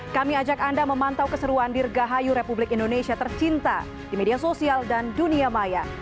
kami ajak anda memantau keseruan dirgahayu republik indonesia tercinta di media sosial dan dunia maya